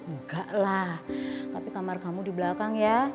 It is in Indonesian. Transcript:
enggak lah tapi kamar kamu di belakang ya